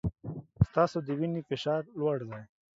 ستاسو د وینې فشار لوړ دی.